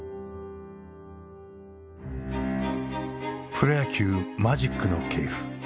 プロ野球マジックの系譜。